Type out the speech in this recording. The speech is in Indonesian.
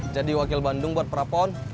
jadi wakil bandung buat prapon